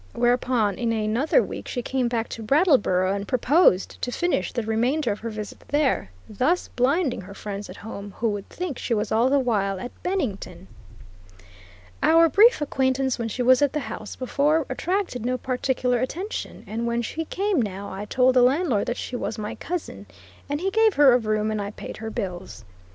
Whereupon, in another week, she came back to Brattleboro and proposed to finish the remainder of her visit there, thus blinding her friends at home who would think she was all the while at Bennington. Our brief acquaintance when she was at the house before, attracted no particular attention, and when she came now I told the landlord that she was my cousin, and he gave her a room and I paid her bills.